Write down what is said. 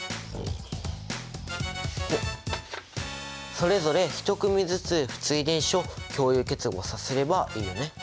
それぞれ１組ずつ不対電子を共有結合させればいいよね。